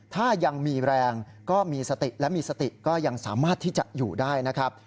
ถ้ายังมีแรงก็มีสติและมีสติก็ยังสามารถที่จะอยู่ได้นะครับ